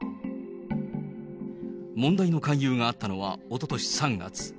問題の勧誘があったのはおととし３月。